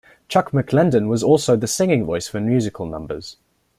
Chuck McLendon also was the singing voice for musical numbers.